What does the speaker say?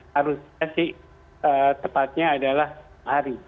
harusnya sih tepatnya adalah hari